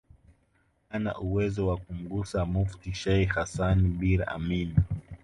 hana uwezo wa kumgusa Mufti Sheikh Hassan bin Amir